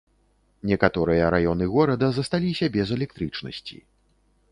Некаторыя раёны горада засталіся без электрычнасці.